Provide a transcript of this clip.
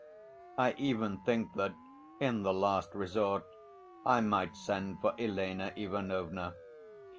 I even think that in the last resort I might send for Elena Ivanovna.